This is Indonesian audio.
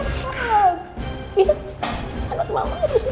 anak mama harus sehat semuanya